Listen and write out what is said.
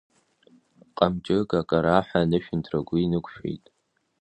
Ҟамчык акараҳәа анышәынҭра агәы инықәшәеит.